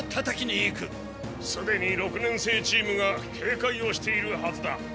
すでに六年生チームがけいかいをしているはずだ。